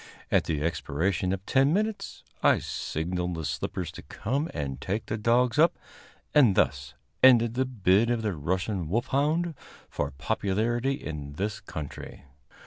At the expiration of ten minutes, I signaled the slippers to come and take the dogs up; and thus ended the bid of the Russian wolfhound for popularity in this country.